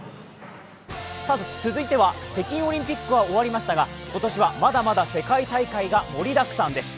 続いては北京オリンピックは終わりましたが今年はまだまだ世界大会が盛りだくさんです。